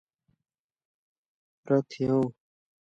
خاکسان